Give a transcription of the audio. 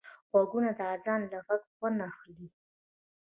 غوږونه د اذان له غږه خوند اخلي